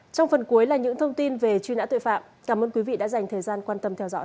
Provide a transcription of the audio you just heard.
trong phần cuối là những thông tin về truy nã tội phạm cảm ơn quý vị đã dành thời gian quan tâm theo dõi